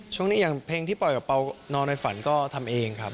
อย่างเพลงที่ปล่อยกับเปล่านอนในฝันก็ทำเองครับ